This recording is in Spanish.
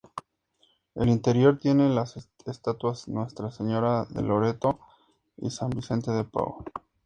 El interior tiene las estatuas Nuestra Señora de Loreto y San Vicente de Paul.